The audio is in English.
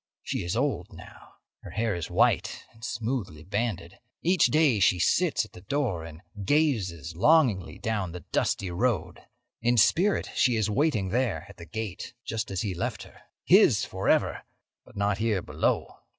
She is old now. Her hair is white and smoothly banded. Each day she sits at the door and gazes longingly down the dusty road. In spirit she is waiting there at the gate, just as he left her—his forever, but not here below.